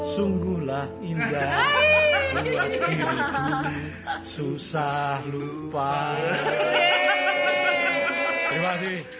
sungguhlah indah susah lupa